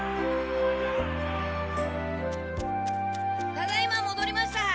ただいまもどりました！